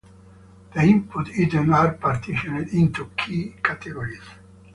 The input items are partitioned into "k" categories.